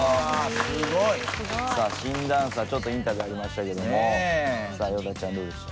すごい！さあ新ダンサーちょっとインタビューありましたけども与田ちゃんどうでした？